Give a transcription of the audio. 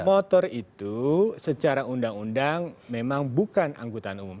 motor itu secara undang undang memang bukan angkutan umum